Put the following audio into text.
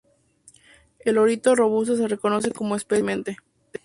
El lorito robusto se reconoce como especie recientemente.